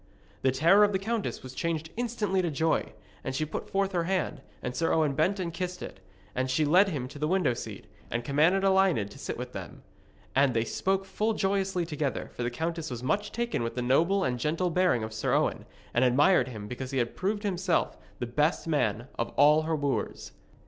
The terror of the countess was changed instantly into joy, and she put forth her hand, and Sir Owen bent and kissed it, and she led him to the window seat, and commanded Elined to sit with them. And they spoke full joyously together, for the countess was much taken with the noble and gentle bearing of Sir Owen, and admired him because he had proved himself the best man of all her wooers.